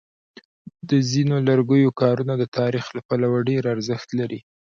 د ځینو لرګیو کارونه د تاریخ له پلوه ډېر ارزښت لري.